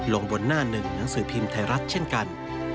ลงบนหน้าหนึ่งหนังสือพิมพ์ไทยรัฐเช่นกัน